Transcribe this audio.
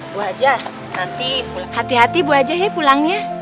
bu aja nanti hati hati bu aja ya pulangnya